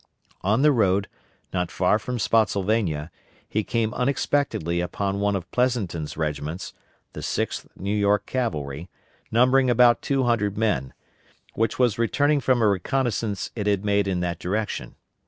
On the road, not far from Spottsylvania, he came unexpectedly upon one of Pleasonton's regiments, the 6th New York Cavalry, numbering about 200 men, which was returning from a reconnoissance it had made in that direction.